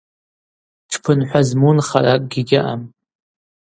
Тшпынхӏва зму нхаракӏгьи гьаъам.